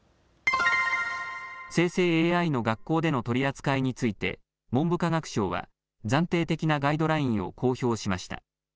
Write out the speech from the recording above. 生成ＡＩの学校での取り扱いについて文部科学省は暫定的なガイドラインを公表しました。